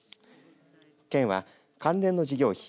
県は関連の事業費